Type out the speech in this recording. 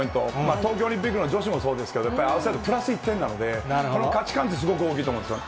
東京オリンピックの女子もそうですけれども、やっぱり合わせるとプラス１点なので、この価値観って、すごく大きいと思うんですよ。